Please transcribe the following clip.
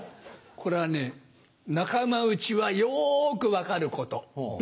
これはね仲間内はよく分かること。